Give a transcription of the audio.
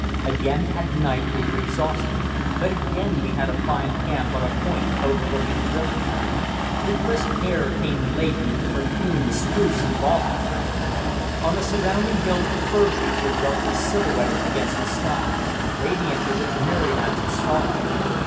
Again at night we were exhausted, but again we had a fine camp on a point overlooking the river. The crisp air came laden with the perfume of spruce and balsam. On the surrounding hills the fir trees were darkly silhouetted against the sky, radiant with its myriads of stars.